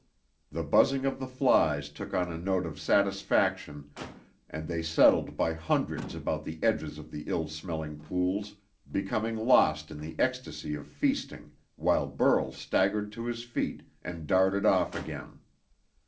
The buzzing of the flies took on a note of satisfaction, and they settled by hundreds about the edges of the ill smelling pools, becoming lost in the ecstacy of feasting while Burl staggered to his feet and darted off again.